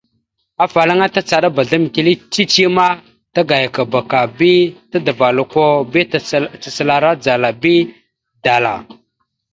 Afalaŋana tacəɗabá azlam etellé cici ma tagayayakaba ka bi tadaval okko bi tacalara dzala bi dala.